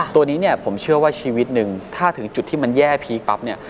ตัวนี้เนี่ยผมเชื่อว่าชีวิตหนึ่งถ้าถึงจุดที่มันแย่พีคปั๊บเนี่ย